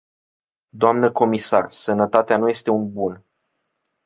Dnă comisar, sănătatea nu este un bun.